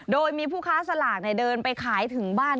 โดยมีผู้ค้าสลากเดินไปขายถึงบ้าน